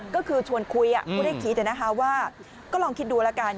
ก็คือชวนคุยก็ได้คิดนะคะว่าก็ลองคิดดูแล้วกัน